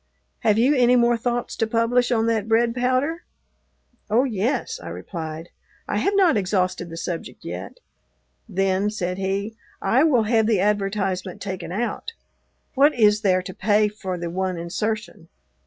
"Have you any more thoughts to publish on that bread powder?" "Oh, yes," I replied, "I have not exhausted the subject yet." "Then," said he, "I will have the advertisement taken out. What is there to pay for the one insertion?"